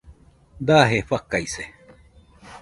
Daje fakaise